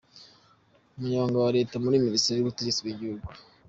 Umunyamabanga wa Leta muri Minisiteri y’Ubutegetsi bw’igihugu,